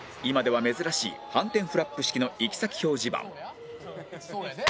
今では珍しい反転フラップ式の行先表示板